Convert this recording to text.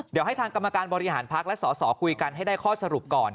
เดี๋ยวให้ทางกรรมการบริหารพักและสอสอคุยกันให้ได้ข้อสรุปก่อน